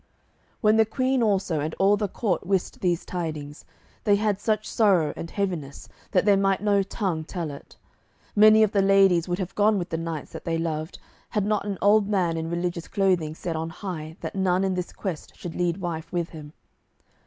When the Queen also and all the court wist these tidings, they had such sorrow and heaviness that there might no tongue tell it. Many of the ladies would have gone with the knights that they loved, had not an old man in religious clothing said on high that none in this quest should lead wife with him.